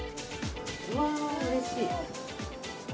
うわー、うれしい。